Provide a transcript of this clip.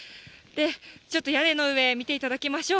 ちょっと屋根の上、見ていただきましょう。